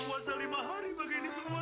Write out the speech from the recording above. puasa lima hari begini semua